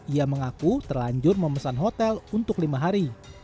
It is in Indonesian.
ia mengaku terlanjur memesan hotel untuk lima hari